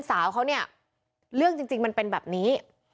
พวกมันต้องกินกันพี่